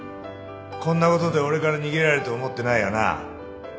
こんなことで俺から逃げられると思ってないよな？